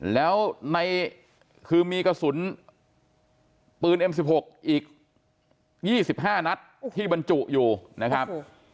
แล้วในคือมีกระสุนปืนเอ็มสี่หกอีกยี่สิบห้านัดที่บรรจุอยู่นะครับ